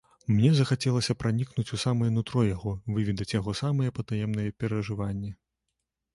Мне захацелася пранікнуць у самае нутро яго, выведаць яго самыя патаемныя перажыванні.